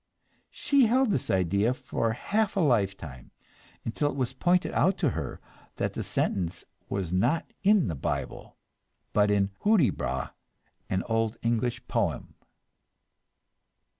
She held this idea for half a lifetime until it was pointed out to her that the sentence was not in the Bible, but in "Hudibras," an old English poem!